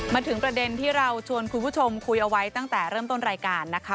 มาถึงประเด็นที่เราชวนคุณผู้ชมคุยเอาไว้ตั้งแต่เริ่มต้นรายการนะคะ